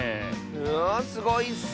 うわすごいッス！